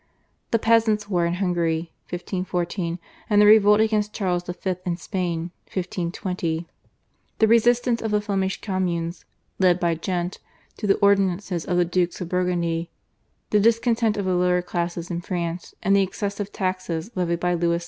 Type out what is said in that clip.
The Peasants' War in Hungary (1514), the revolt against Charles V. in Spain (1520), the resistance of the Flemish Communes, led by Ghent, to the ordinances of the Dukes of Burgundy, the discontent of the lower classes in France with the excessive taxes levied by Louis XI.